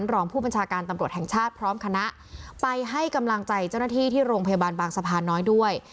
รองผู้บัญชาการตำรวจแห่งชาติพร้อมคณะไปให้กำลังใจเจ้าหน้าที่ที่โรงพยาบาลบางสะพานน้อยด้วย